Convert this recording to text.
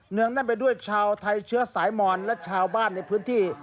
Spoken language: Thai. งแน่นไปด้วยชาวไทยเชื้อสายมอนและชาวบ้านในพื้นที่